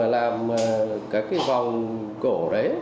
làm các cái vòng cổ đấy